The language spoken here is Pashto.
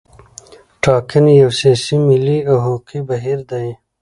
ټاکنې یو سیاسي، ملي او حقوقي بهیر دی.